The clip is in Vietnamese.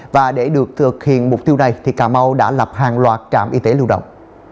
và để được thực hiện mục tiêu này thì cà mau đã lập hàng loạt trạm y tế lưu động